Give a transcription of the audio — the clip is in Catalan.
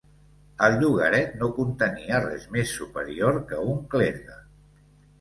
El llogaret no contenia res més superior que un clergue.